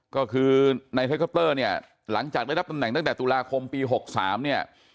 ก็คือในเทคอปเตอร์เนี่ยหลังจากได้รับตำแหน่งตั้งแต่ตุลาคมปี๖๓เนี่ย